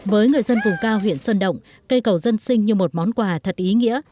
với người dân vùng cao huyện sơn động cây cầu dân sinh như một món quà thật ý nghĩa